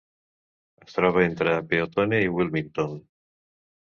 Es troba entre Peotone i Wilmington.